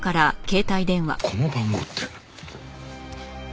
この番号って。